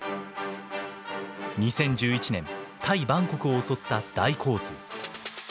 ２０１１年タイ・バンコクを襲った大洪水。